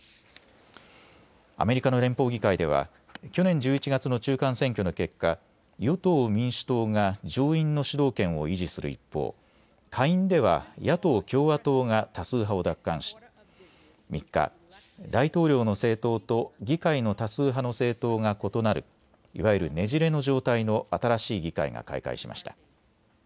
アメリカの連邦議会では去年１１月の中間選挙の結果、与党・民主党が上院の主導権を維持する一方、下院では野党・共和党が多数派を奪還し３日、大統領の政党と議会の多数派の政党が異なるいわゆるねじれの状態の新しい議会が開会しました。